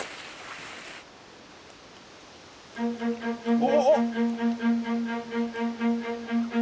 お！